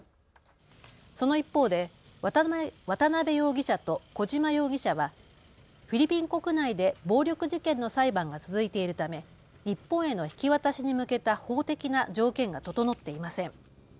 その一方で渡邉容疑者と小島容疑者はフィリピン国内で暴力事件の裁判が続いているため日本への引き渡しに向けた法的な条件が整っていません。